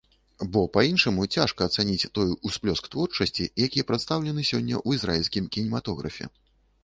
Бо па-іншаму цяжка ацаніць той усплёск творчасці, які прадстаўлены сёння ў ізраільскім кінематографе.